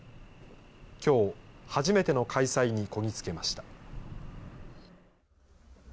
きょう、初めての開催にこぎ着けました。